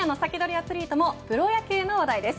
アツリートもプロ野球の話題です。